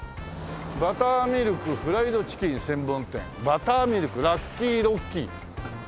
「バターミルクフライドチキン専門店」「バターミルク」「ＬｕｃｋｙＲｏｃｋｙ」。